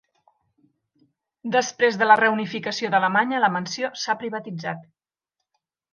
Després de la reunificació d'Alemanya la mansió s'ha privatitzat.